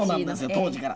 当時から。